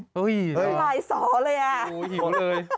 หน่อยสอเลยอ่ะ